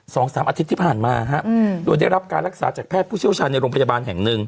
สองสามอาทิตย์ที่ผ่านมาฮะอืมโดยได้รับการรักษาจากแพทย์ผู้เชี่ยวชาญในโรงพยาบาลแห่งหนึ่ง